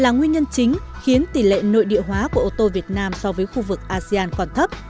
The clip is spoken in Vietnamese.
những khó khăn là nền móng của nền công nghiệp ô tô là nguyên nhân chính khiến tỷ lệ nội địa hóa của ô tô việt nam so với khu vực asean còn thấp